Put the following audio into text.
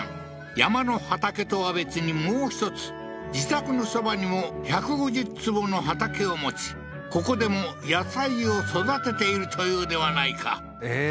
山の畑とは別にもう一つ自宅のそばにも１５０坪の畑を持ちここでも野菜を育てているというではないかええー